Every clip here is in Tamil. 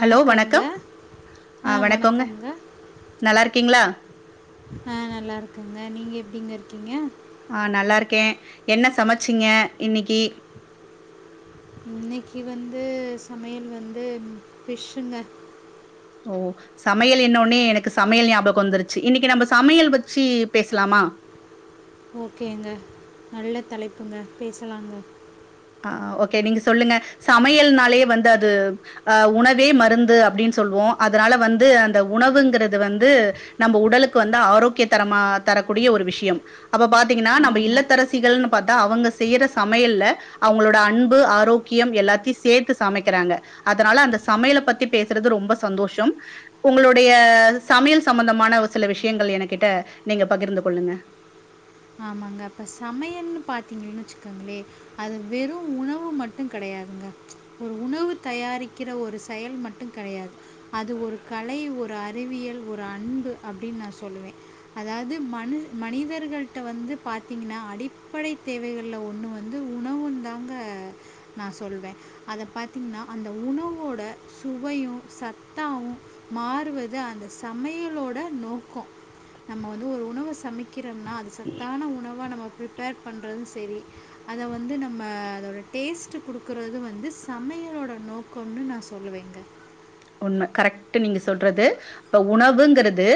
ஹலோ வணக்கம் ஆ ஆஹ் வணக்கங்க வணக்கம்ங்க நல்லா இருக்கீங்களா? ஆஹ் நல்லா இருக்கே அ நீங்கள் எப்படிங்க இருக்கீங்க ஆஹ் நல்லா இருக்கேன் என்ன சமைச்சிங்க இன்னைக்கு இன்னைக்கு வந்து சமையல் வந்து பிஷ்ங்க ஓ சமையல் என்னோன்னே எனக்கு சமையல் ஞாபகம் வந்துருச்சு இன்னைக்கு நம்ம சமையல் வச்சி பேசலாமா ஓகேங்க நல்ல தலைப்புங்க பேசலாங்க ஆஹ் ஓகே நீங்க சொல்லுங்க சமையல்னாலேயே வந்து அது அஹ் உணவே மருந்து அப்படின்னு சொல்லுவோம் அதனால வந்து அந்த உணவுங்கிறது வந்து நம்ம உடலுக்கு வந்து ஆரோக்கிய தரமா தரக்கூடிய ஒரு விஷயம் அப்ப பாத்தீங்கன்னா நம்ம ஆமாம் இல்லத்தரசிகள்னு பார்த்தா அவங்க செய்யற சமையல்ல அவங்களோட அன்பு ஆரோக்கியம் எல்லாத்தையும் சேர்த்து சமைக்கிறாங்க அதனால அந்த சமையலை பத்தி பேசுறது ரொம்ப சந்தோஷம் உங்களுடைய சமையல் சம்பந்தமான சில விஷயங்கள் என கிட்ட நீங்க பகிர்ந்து கொள்ளுங்க ஆமாங்க அப்ப சமையல்னு பாார்த்தீங்கன்னு வச்சுக்கோங்களே அது வெறும் உணவு மட்டும் கிடையாதுங்க ஒரு உணவு தயாரிக்கிற ஒரு செயல் மட்டும் கிடையாது அது ஒரு கலை ஒரு அறிவியல் ஒரு அன்பு அப்படின்னு நான் சொல்லுவேன் அதாவது மன மனிதர்கள் க வந்து பார்த்தீங்கன்னா அடிப்படை தேவைகளில் ஒன்று வந்து உணவு தாங்க நான் சொல்வேன் அத பார்த்தீங்கன்னா அந்த உணவோட சுவையும் சத்தாவும் மாறுவது அந்த சமைலோட நோக்கம் நம்ம வந்து ஒரு உணவை சமைக்கிறோம்னா அது ச ப்ரிப்பேர் பண்ணுறதும் சரி அதை வந்து நம்ம அதோட டேஸ்ட்டு கொடுக்குறது வந்து சமையலோட நோக்கம்னு நான் சொல்லுவேங்க உண்மை கரெக்ட் நீங்க சொல்றது இப்ப உணவுங்கிறது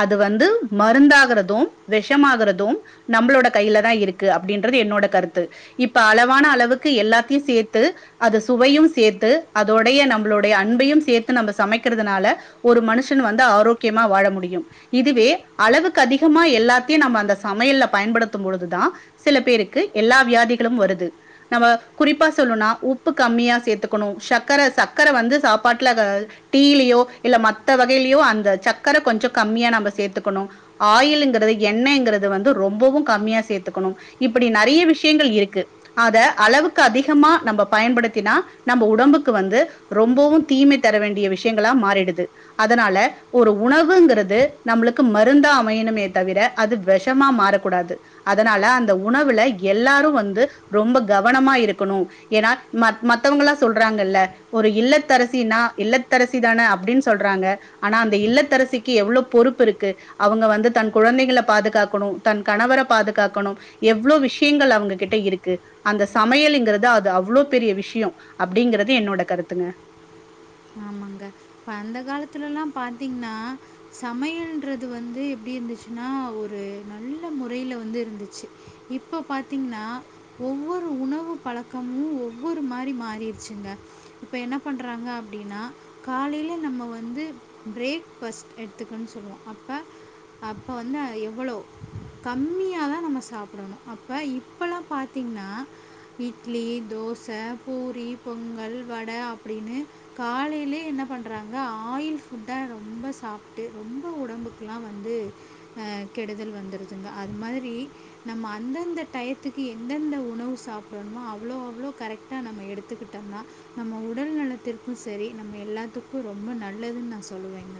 அது வந்து மருந்தாகிறதும் விஷமாகறதும் நம்மளோட கையில தான் இருக்கு அப்படின்றது என்னோட கருத்து இப்ப அளவான அளவுக்கு எல்லாத்தையும் சேர்த்து அது சுவையும் சேர்த்து அதோடைய நம்மளுோடைய அன்பையும் சேர்த்து ந சமைக்கிறதுனால ஒரு மனுஷன் வந்து ஆரோக்கியமா வாழ முடியும் இதுவே அளவுக்கு அதிகமா எல்லாத்தையும் நம்ம அந்த சமையல பயன்படுத்தும் பொழுதுதான் சில பேருக்கு எல்லா வியாதிகளும் வருது நம்ம குறிப்பா சொல்லனா உப்பு கம்மியா சேர்த்துக்கணும் சக்கரை சக்கரை வந்து சாப்பாட்டுல டீ இலியோ மத்த வகையிலயோ அந்த சர்கக்கர கொஞ்சம் கம்மியா நம்ம சேர்த்துக்கணும் ஆயில்ங்கிறது எண்ணெய்ங்கிறது வந்து ரொம்பவும் கம்மியா சேர்த்துக்கணும் இப்படி நிறைய விஷயங்கள் இருக்கு அத அளவுக்கு அதிகமா நம்ம பயன்படுத்தினா நம்ம உடம்புக்கு வந்து ரொம்பவும் தீமை தர வேண்டிய விஷயங்களா மாறிடுது அதனால ஒரு உணவுங்கிறது நம்மளுக்கு மருந்தா அமையணுமே தவிர அது விஷமா மாறக்கூடாது அதனால அந்த உணவுல எல்லாரும் வந்து ரொம்ப கவனமா இருக்கணும் ஏன்னா மத் மத்தவங்களா சொல்றாங்கல்ல ஒரு இல்லத்தரசினா இல்லத்தரசி தானே அப்படின்னு சொல்றாங்க ஆனா அந்த இல்லத்தரசிக்கு எவ்வளவு பொறுப்பு இருக்கு அவங்க வந்து தன் குழந்தைகளை பாதுகாக்கணும் தன் கணவர பாதுகாக்கணும் எவ்வளவு விஷயங்கள் அவங்க கிட்ட இருக்கு அந்த சமையல்ங்கிறத அது அவ்வளவு பெரிய விஷயம் அப்படிங்கறது என்னோட கருத்துங்க ஆமாங்க இப்ப அந்த காலத்துலல்லாம் பாாரத்தீங்கன்னா சமையன்றது வந்து எப்படி இருந்துச்சுன்னா ஒரு நல்ல முறையில வந்து இருந்துச்சு இப்ப பாத்தீங்கன்னா ஒவ்வொரு உணவு பழக்கமும் ஒவ்வொரு மாதிரி மாறிருச்சுங்க இப்ப என்ன பண்றாங்க அப்படின்னா காலையில நம்ம வந்து பிரேக்ஃபஸ்ட் எடுத்துக்கு சொல்லுவோம் அப்போ அப்போ வந்து எவ்வளோ கம்மியா தான் நம்ம சாப்பிடணும் அப்போ இப்போலாம் பார்த்திங்கன்னா இட்லி தோசை பூரி பொங்கல் வட அப்படின்னு காலையிலயே என்ன பண்றாங்க ஆயில் ஃபுட்டா ரொம்ப சாப்பிட்டு ரொம்ப உடம்புக்குல்லாம் வந்து அஹ் கெடுதல் வந்துடுதுங்க அது மாதிரி நம்ம அந்தந்த டயத்துக்கு எந்தெந்த உணவு சாப்பிடணுமோ அவ்வளோ அவ்வளோ கரெக்டா நம்ம எடுத்துக்கிட்டோம்னா நம்ம உடல் நலத்திற்கு சரி நம்ம எல்லாத்துக்கும் ரொம்ப நல்லதுன்னு நான் சொல்லுவேங்க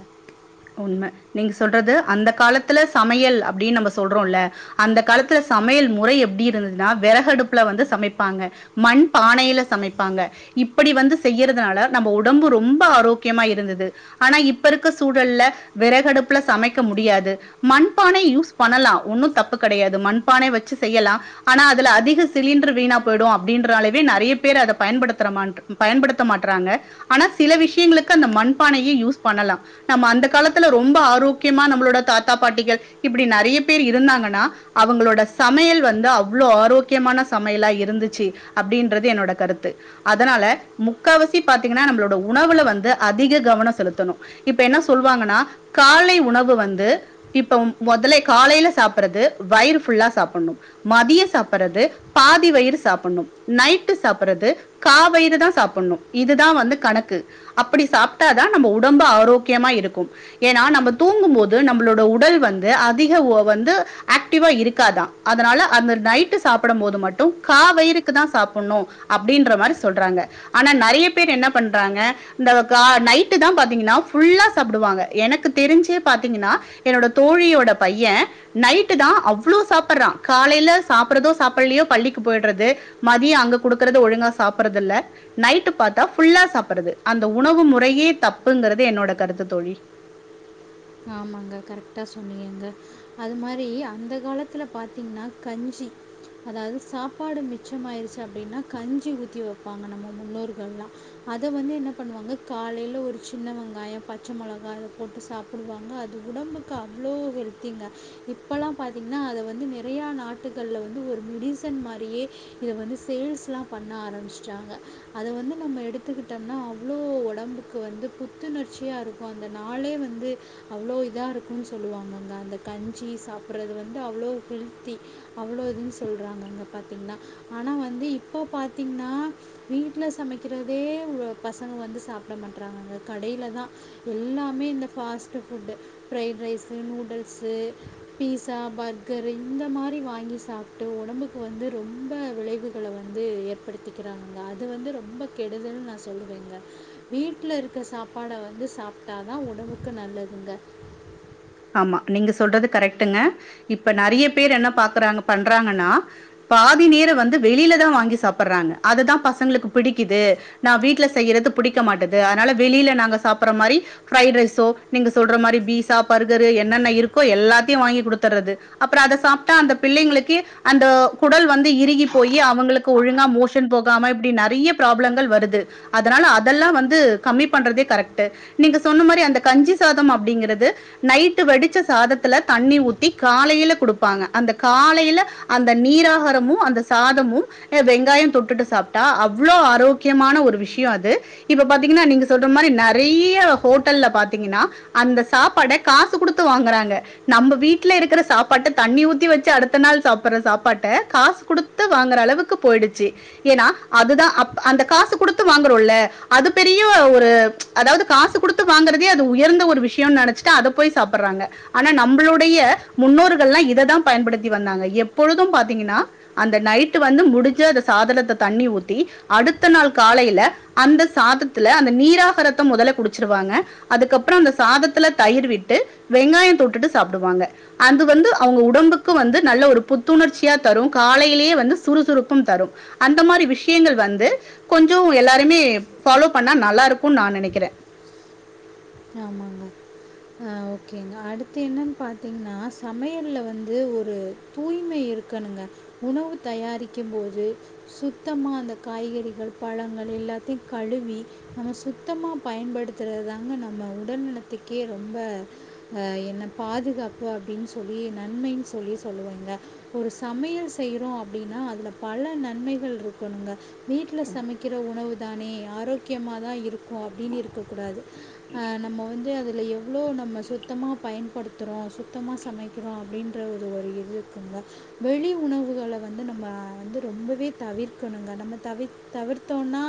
உண்மை நீங்க சொல்றது அந்த காலத்துல சமையல் அப்படின்னு நம்ம சொல்றோம்ல்ல அந்த காலத்துல சமையல் முறை எப்படி இருந்ததுன்னா விறகடுப்புல வந்து சமைப்பாங்க மண் பானையில சமைப்பாங்க இப்படி வந்து செய்யறதுனால நம்ம உடம்பு ரொம்ப ஆரோக்கியமா இருந்தது ஆனா இப்ப இருக்க சூழ் விடுகல்லா விரகடுப்புல சமைக்க முடியாது மண்பானை யூஸ் பண்ணலாம் ஒண்ணும் தப்பு கிடையாது மண்பானை வச்சு செய்யலாம் ஆனா அதுல அதிக சிலிண்டர் வீணா போயிடும் அப்படின்றாலவே நிறைய பேர் அதை பயன்படுத்த மா பயன்படுத்த மாட்டறாங்க ஆனா சில விஷயங்களுக்கு அந்த மண்பானையே யூஸ் பண்ணலாம் நம்ம அந்த காலத்துல ரொம்ப ஆரோக்கியமா நம்மளோட தாத்தா பாட்டிகள் இப்படி நிறைய பேர் இருந்தாங்கன்னா அவங்களோட சமையல் வந்து அவ்வளவு ஆரோக்கியமான சமையலா இருந்துச்சு அப்படின்றது என்னோட கருத்து அதனால முக்காவசி பாத்தீங்கன்னா நம்மளோட உணவுல வந்து அதிக கவனம் செலுத்தணும் இப்ப என்ன சொல்லுவாங்கன்னா காலை உணவு வந்து இப்ப முதல காலையில சாப்பிடடுறது வயிறு ஃபுல்லா சாப்பிடணும் மதிய சாப்பிடறது பாதி வயிறு சாப்பிடணும் நைட்டு சாப்பிடுறது கா வயிறு தான் சாப்பிடணும் இதுதான் வந்து கணக்கு அப்படி சாப்பிட்டாதான் நம்ம உடம்ப ஆரோக்க முக்கியமா இரு ஏன்னா நம்ம தூங்கும் போது நம்மளோட உடல் வந்து அதிக வந்து ஆக்டிவா இருக்காதான் அதனால அந்த நைட்டு சாப்பிட போது மட்டும் காவயிறுக்கு தான் சாப்பிடணும் அப்படின்ற மாரி சொல்றாங்க ஆனா நிறைய பேர் என்ன பண்றாங்க இந்த நைட்டு தான் பாத்தீங்கன்னா ஃபுல்லா சாப்பிடுவாங்க எனக்கு தெரிஞ்சே பாத்தீங்கன்னா என்னோட தோழியோட பையன் நைட்டு தான் அவ்ளோ சாப்படுறான் காலையில சாப்பறதோ சாப்பிடலையோ பள்ளிக்கு போயிடுறது மதியம் அங்க குடுக்கறத ஒழுங்கா சாப்பறதுல்ல நைட் பத்தா ஃபுல்லா சாப்பறது அந்த உணவு முறையே தப்புங்கிறது என்னோட கருத்து தோழி ஆமாங்க கரெக்டா சொன்னங்கங்க அது மாரி அந்த காலத்துல பார்த்தீங்கன்னா கஞ்சி அதாவது சாப்பாடு மிச்சமாயிடுச்சு அப்படின்னா கஞ்சி ஊத்தி வைப்பாங்க நம்ம முன்னோர்கள்லாம் அத வந்து என்ன பண்ணுவாங்க காலையில ஒரு சின்ன வெங்காயம் பச்சை மிளகாய் அதை போட்டு சா கொடுவாங்க அது உடம்புக்கு அவ்வளோ ஹெல்த்திங்க இப்போலாம் பார்த்திங்கன்னா அதை வந்து நிறையா நாட்டுகளில் வந்து ஒரு மெடிசன் மாரியே இத வந்து சேல்ஸ்லாம் பண்ண ஆரம்பிச்சட்டாங்க அத வந்து நம்ம எடுத்துக்கிட்டோம்னா அவ்வளோ உடம்புக்கு வந்து புத்துணர்ச்சியாக இருக்கும் அந்த நாளே வந்து அவ்வளோ இதா இருக்கும்ன்னு சொல்லுவாங்கங்க அந்த கஞ்சி சாப்பிடுறது வந்து அவ்வளோ ஹெல்த்தி அவ்வளோ இதுன்னு சொல்றாங்கங்க பாத்தீங்கன்னா ஆனா வந்து இப்போ பார்த்தீங்கன்னா வீட்டுல சமைக்கிறதே பசங்க வந்து சாப்பிட மாட்டறாங்கங்க கடையில தான் எல்லாமே இந்த fast food fried rice noodles pizza burger இந்த மாரி வாங்கி சாப்பிட்டு உடம்புக்கு வந்து ரொம்ப விளைவுகள வந்து ஏற்படுத்திக்கிறாங்கங்க அது வந்து ரொம்ப கேடுதல்ு நான் சொல்லுவேங்க வீட்டில் இருக்கிற சாப்பாடா வந்து சாப்பிட்டா தான் உடம்புக்கு நல்லது ங்க ஆமா நீங்க சொல்றது கரெக்டுங்க இப்ப நிறைய பேர் என்ன பாக்குறாங்க பண்றாங்கன்னா பாதி நேர வந்து வெளியிலதான் வாங்கி சாப்படுறாங்க அதுதான் பசங்களுக்கு பிடிக்குது நான் வீட்டுல செய்யறது பிடிக்க மாட்டேது அதனால வெளியில நாங்க சாப்படுற மாதிரி பிரரைட் ரைஸோ நீங்க சொல்ற மாரி பீசா பர்கரு என்னென்ன இருக்கோ எல்லாத்தையும் வாங்கி குடுத்துடுறது அப்புறம் அத சாப்பிட்டா அந்த பிள்ளைங்களுக்கு அந்த குடல் வந்து இறுகி போய் அவங்களுக்கு ஒழுங்கா மோஷன் போகாம இப்படி நிறைய ப்ராப்ளங்கள் வருது அதனால அதெல்லாம் வந்து கம்மி பண்றதே கரெக்ட் நீங்க சொன்ன மாரி அந்த கஞ்சி சாதம் அப்படிங்கிறது நைட்டு வெடிச்ச சாதத்துல தண்ணி ஊத்தி காலையில கொடுப்பாங்க அந்த காலையில அந்த நீராகாரமும் அந்த சாதமும் வெங்காயம் தொட்டுட்டு சாப்பிட்டா அவ்வளோ ஆரோக்கியமான ஒரு விஷயம் அது இப்ப பார்த்தீங்கன்னா நீங்க சொல்ற மாரி நிறைய ஹோட்டல்லல பார்த்தீங்கன்னா அந்த சாப்பாட காசு கொடுத்து வாங்கறாங்க நம்ம வீட்டல இருக்கிற சாப்பாட்ட தண்ணி ஊத்தி வச்சு அடுத்த நாள் சாப்பற சாப்பாட்ட காசு கொடுத்து வாங்கற அளவுக்கு போயிடுச்சு ஏனா அதுான் அப்ப காசுடுத்து வாங்குறோமயில்ல அது பெரிய ஒரு அதாவது காசு கொடுத்து வாங்கறதே அது உயர்ந்த ஒரு விஷயம் நினைச் ட்டு அந்த போய் சாப்பறாக ஆனா நம்மளுடைய முன்னோர்கள்ாம் இததான் பயன்படுத்தி வந்தாங்க எப்போழும் பார்த்திக்கான அந்த நைட் வந்து முடிச்சு சாதத்த தண்ணி ஊத்தி அடுத்த நாள் காலையில அந்த சாதத்துல அந்த நீராகரத்த முதல குடிச்சிருவாங்க அதுக்கப்புறம் அந்த சாதத்துல தயிர்விட்டு வெங்காயம் தொட்டுட்டு சாப்பிடுவாங்க அது வந்து அவங்க உடம்புக்கு வந்து நல்ல ஒரு புத்துணர்ச்சியா தரும் காலையிலேயே வந்து சுறுசுறுப்பம் தரும் அந்த மாரி விஷயங்கள் வந்து கொஞ்சம் எல்லாருமே ஃபாலோ பண்ணா நல்லா இருக்கும்னு நான் நினைக்கிறேன் ஆமாங்க ஓகேங்க அடுத்து என்னன்னு பார்த்தீங்கன்னா சமையல வந்து ஒரு தூய்மை இருக்கணுங்க உணவு தயாரிக்கும் போது சுத்தமா அந்த காய்கறிகள் பழங்கள் எல்லாத்தையும் கழுவி நம்ம சுத்தமா பயன்படுத்துறதாங்க நம்ம நம்ம உடல்நலத்துக்கே ரொம்ப ஆஹ் என்ன பாதுகாப்பு அப்படின்னு சொல்லி நன்மைன்னு சொல்லி சொல்லுவங்க ஒரு சமையல் செய்யறோம் அப்படின்னா அதுல பல நன்மைகள் இருக்கனுுங்க வீட்டில சமைக்கிற உணவு தானே ஆரோக்கியமாக தான் இருக்கும் அப்படின்னு இருக்க கூடாது ஹான் நம்ம வந்து அதில எவ்வளோ நம்ம சுத்தமா பயன்படுத்துகிறோம் சுத்தமா சமைக்கிறோம் அப்படின்ற ஒரு ஒரு இது இருக்குங்க வெளி உணவுகள வந்து நம்ம வந்து ரொம்பவே தவிர்க்கணுங்க நம்ம தவிர தவிர்த்தோன்னா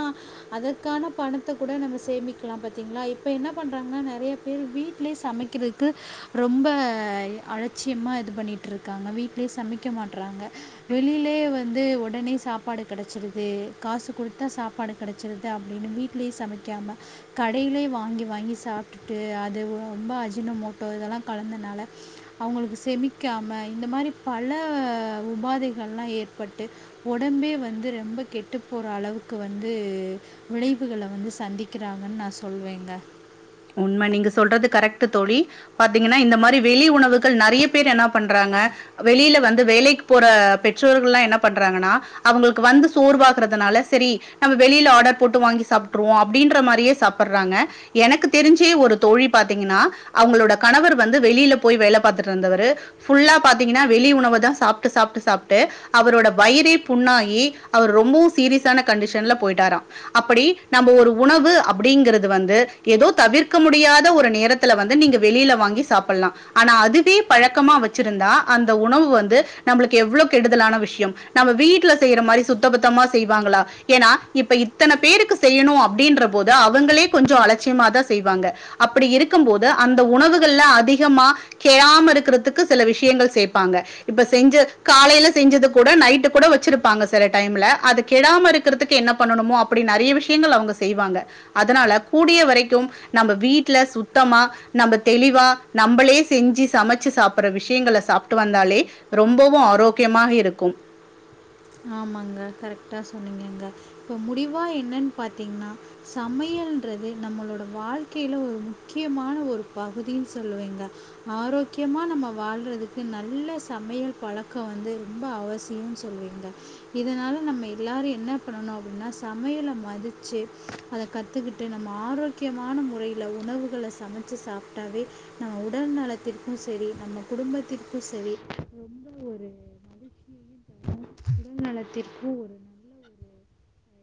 அதற்கான பணத்த கூட நம்ம சேமிக்கலாம் பார்த்திங்களா இப்போ இப்போ என்ன பண்ணறாங்கன்னா நிறைய பேர் வீட்லே சமைக்கிறதுக்கு ரொம்ப அலட்சியமா இது பண்ணிட்டுருக்காங்க வீட்லே சமைக்க மாட்டறாங்க வெளியிலே வந்து உடனே சாப்பாடு கிடச்சிறுது காசு கொடுத்தா சாப்பாடு கிடச்சிறுது அப்படின்னு வீட்ிலே சமைக்காம கடையில வாங்க வாங்கி வாங்கி சாப்பிட்டுட்டு அது ரொம்ப அஜினமோட்டோ இதெல்லாம் கலந்தனால அவங்களுக்கு செமிக்காம இந்த மாரி பல உபாதைகள்லாம் ஏற்பட்டு உடம்பே வந்து ரொம்ப கெட்டு போற அளவுக்கு வந்து விளைவுகள வந்து சந்திக்கிறாங்கன்னு நான் சொல்வேங்க உண்மை நீங்க சொல்றது கரெக்ட் தோழி பாத்தீங்கன்னா இந்த மாரி வெளி உணவுகள் நிறைய பேர் என்ன பண்றாங்க வெளியில வந்து வேலைக்கு போற பெற்றோர்கள்ல்லாம் என்ன பண்றாங்கன்னா அவங்களுக்கு வந்து சோர்வாகறிறதுனால சரி நம்ம வெளியில ஆர்டர் போட்டு வாங்கி சாப்பிட்டுருவோம் அப்படின்ற மாரியே சாப்பிடுறாங்க எனக்கு தெரிஞ்சே ஒரு தோழி பார்த்தீங்கன்னா அவங்களோட கணவர் வந்து வெளியில போய் வேலை பார்த்துட்டு இருந்தவரு பியுள்ள பாத்தீங்கன்னா வெளி உணவு தான் சாப்ட்டு சாப்ட்டு சாப்ட்டு அவரோட வயிரே புண்ணாகி அவர் ரொம்பவும் சீரியஸான கண்டிஷன்ல போயிட்டாராம் அப்படி நம்ம ஒரு உணவு அப்படிங்கறிறது வந்து ஏதோ தவிர்க்க முடியாத ஒரு நேரத்துல வந்து நீங்க வெளியில வாங்கி சாப்பிடலாம் ஆனா அதுவே பழக்கமா வச்சிருந்தா அந்த உணவு வந்து நம்மளுக்கு எவ்வளவு கெடுதலான விஷயம் நம்ம வீட்டுல செய்யற மாரி சுத்தபத்தமா செய்வாங்களா ஏனா இப்ப இத்தன பேருக்கு செய்யணும் அப்படின்ற போது அவங்களே கொஞ்சம் அலட்சியமாதான் செய்வாக அப்படி இருக்கும் போது அந்த உணவுகள்ல அதிகமா கெடாம இருக்கிறதுக்கு சில விஷயங்கள் சேர்ப்பாங்க இப்ப செஞ்ச காலையில செஞ்சது கூட நைட்டு கூட வச்சிருப்பாங்க சில டைம்ல அது கெடாம இருக்கிறதுக்கு என்ன பண்ணணுமோ அப்படி நிறைய விஷயங்கள் அவங்க செய்வாங்க அதனால கூடிய வரைக்கும் நம்ம வீட்டுல சுத்தமா நம்ம தெளிவா நம்மளே செஞ்சு சமைச்சு சாப்புற விஷயங்கள சாப்பிட்டு வந்தாலே ரொம்பவும் ஆரோக்கியமா இருக்கும் ஆமாங்க கரெக்டா சொன்னீங்கங்க இப்போ முடிவாக என்னன்னு பார்த்தீங்கன்னா சமையல்ன்றது நம்மளோட வாழ்க்கில ஒரு முக்கியமான ஒரு பகுதினு சொல்லுவேங்க ஆரோக்கியமாக நம்ம வாழறதுக்கு நல்ல சமையல் பழக்கம் வந்து ரொம்ப அவசியம்னு சொல்லுவீங்க இதனால நம்ம எல்லாரும் என்ன பண்ணணும் அப்படின்னா சமையல மதிச்சு அத கத்துக்கிட்டு நம்ம ஆரோக்கியமான முறையில உணவுகளை சமைச்சு சாப்பிட்டாவே நம்ம உடல் நலத்திற்கும் சரி நம்ம குடும்பத்திற்கும் சரி ரொம்ப ஒரு மகிழ்ச்சியும் தரும் உடல் நலத்திற்கு ஒரு நல்ல ஒரு